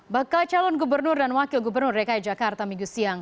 bakal calon gubernur dan wakil gubernur dki jakarta minggu siang